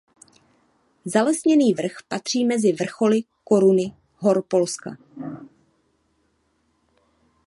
Zalesněný vrch patří mezi vrcholy Koruny hor Polska.